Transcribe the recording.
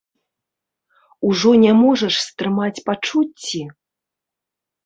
Ужо не можаш стрымаць пачуцці?